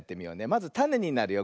まずたねになるよ。